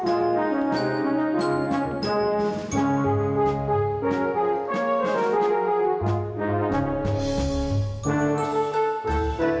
ada apa ini